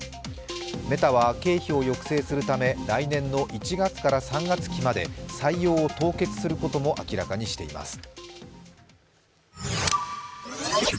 メタは経費を抑制するため来年の１月から３月期まで採用を凍結することも明らかにしています。